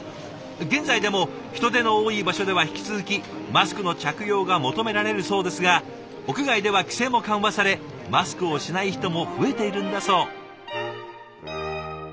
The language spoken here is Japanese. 現在でも人出の多い場所では引き続きマスクの着用が求められるそうですが屋外では規制も緩和されマスクをしない人も増えているんだそう。